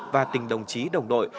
và tình đồng chí đồng đội